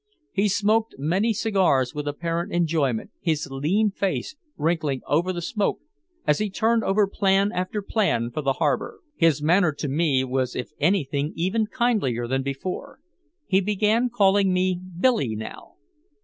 He smoked many cigars with apparent enjoyment, his lean face wrinkling over the smoke as he turned over plan after plan for the harbor. His manner to me was if anything even kindlier than before. He began calling me "Billy" now.